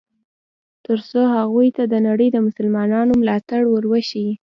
ترڅو هغوی ته د نړۍ د مسلمانانو ملاتړ ور وښیي.